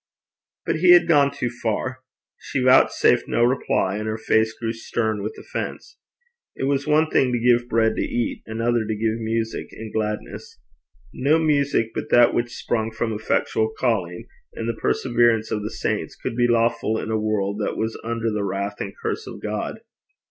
But he had gone too far. She vouchsafed no reply, and her face grew stern with offence. It was one thing to give bread to eat, another to give music and gladness. No music but that which sprung from effectual calling and the perseverance of the saints could be lawful in a world that was under the wrath and curse of God.